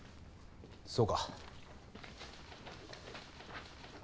そうか。